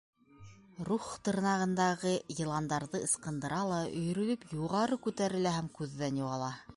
Рухх тырнағындағы йыландарҙы ыскындыра ла өйөрөлөп юғары күтәрелә һәм күҙҙән юғала.